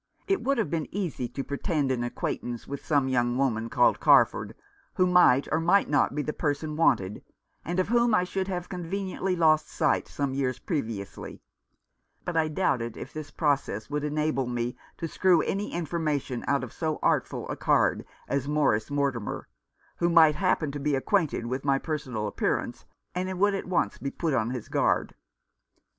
It would have been easy to pretend an acquaintance with some young woman called Carford, who might or might not be the person wanted, and of whom I should have conveniently lost sight some years previously ; but I doubted if this process would enable me to screw any information out of so artful a card as Morris Mortimer, who might happen to be acquainted with my personal appearance, and would at once be put on his guard.